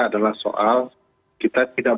adalah soal kita tidak